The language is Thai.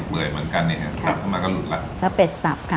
ื่ยเหมือนกันนี่ฮะสับเข้ามาก็หลุดแล้วถ้าเป็ดสับค่ะ